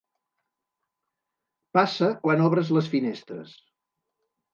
Passa quan obres les finestres.